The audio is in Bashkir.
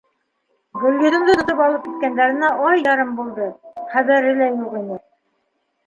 Гөлйөҙөмдө тотоп алып киткәндәренә ай ярым булды, хәбәре лә юҡ ине.